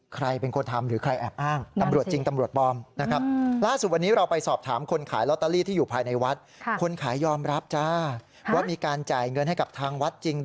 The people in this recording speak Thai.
ใครเป็นคนทำหรือใครแอบอ้าง